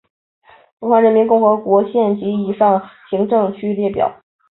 中华人民共和国县级以上行政区列表